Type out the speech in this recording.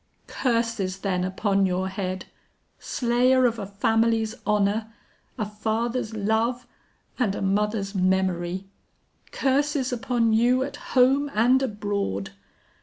"'Curses then upon your head, slayer of a family's honor, a father's love, and a mother's memory! Curses upon you, at home and abroad!